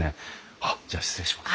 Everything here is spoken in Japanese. あっじゃあ失礼します。